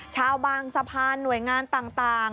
ชาวบางสะพานหน่วยงานต่าง